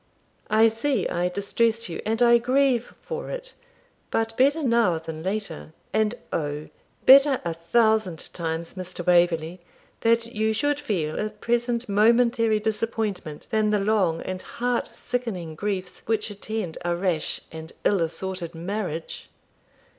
I see I distress you, and I grieve for it, but better now than later; and O, better a thousand times, Mr. Waverley, that you should feel a present momentary disappointment than the long and heart sickening griefs which attend a rash and ill assorted marriage!'